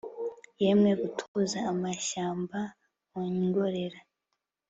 yemwe gutuza amashyamba! wongorera